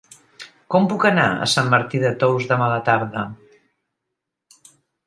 Com puc anar a Sant Martí de Tous demà a la tarda?